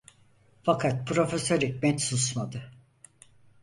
Fakat Profesör Hikmet susmadı: